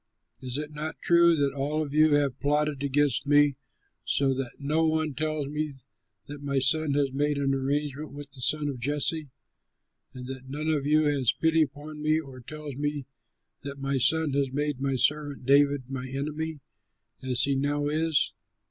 Is it not true that all of you have plotted against me so that no one tells me that my son has made an agreement with the son of Jesse, and that none of you has pity upon me or tells me that my son has made my servant David my enemy as he now is?"